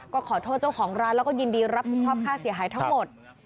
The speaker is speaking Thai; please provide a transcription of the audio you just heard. ก็ขอโทษเจ้าของร้านแล้วก็ยินดีรับผิดชอบค่าเสียหายทั้งหมด